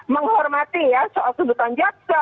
menghormati ya soal sudutan jasa